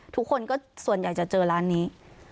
ทุกคนก็ส่วนใหญ่จะเจอร้านนี้